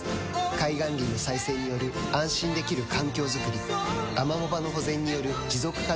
海岸林の再生による安心できる環境づくりアマモ場の保全による持続可能な海づくり